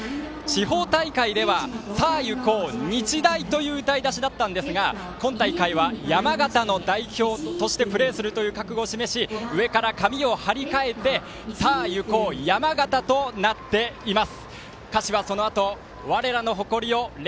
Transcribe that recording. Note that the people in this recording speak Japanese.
地方大会では、さあいこう日大という歌いだしだったんですが今大会は山形の代表としてプレーするという覚悟を示し上から紙を貼り替えて「さあ行こうヤマガタ」となっています。